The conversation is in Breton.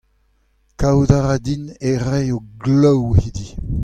Kavout a ra din e raio glav hiziv.